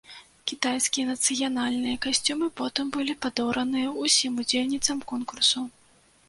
Кітайскія нацыянальныя касцюмы потым былі падораныя ўсім удзельніцам конкурсу.